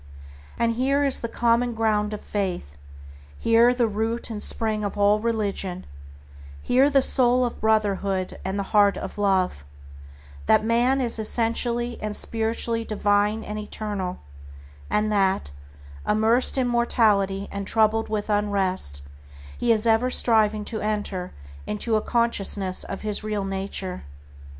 And here is the common ground of faith; here the root and spring of all religion; here the soul of Brotherhood and the heart of Love, that man is essentially and spiritually divine and eternal, and that, immersed in mortality and troubled with unrest, he is ever striving to enter into a consciousness of his real nature.